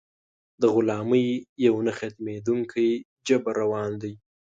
د غلامۍ یو نه ختمېدونکی جبر روان دی.